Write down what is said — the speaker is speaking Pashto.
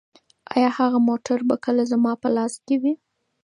ایا هغه موټر به کله زما په لاس کې وي؟